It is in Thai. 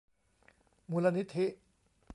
มูลนิธิ